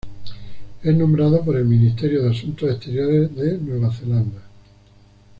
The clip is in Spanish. Es nombrado por el Ministerio de Asuntos Exteriores de Nueva Zelanda.